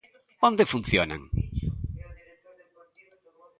Onde funcionan?